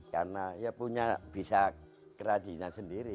karena bisa kerajinan sendiri